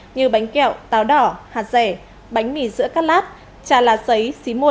như bánh kẹo táo đỏ hạt rẻ bánh mì sữa cắt lát trà lá xấy xí mội